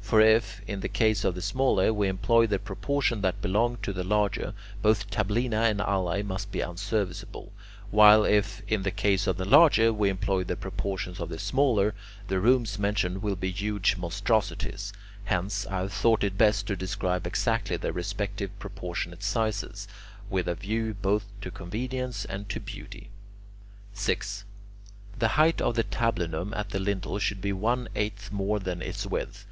For if, in the case of the smaller, we employ the proportion that belong to the larger, both tablina and alae must be unserviceable, while if, in the case of the larger, we employ the proportions of the smaller, the rooms mentioned will be huge monstrosities. Hence, I have thought it best to describe exactly their respective proportionate sizes, with a view both to convenience and to beauty. [Illustration: From Mau PLAN OF A TYPICAL ROMAN HOUSE] 6. The height of the tablinum at the lintel should be one eighth more than its width.